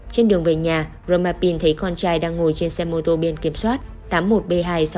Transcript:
trên đường về nhà roma pin thấy con trai đang ngồi trên xe mô tô biển kiểm soát tám mươi một b hai trăm sáu mươi ba nghìn sáu trăm tám mươi hai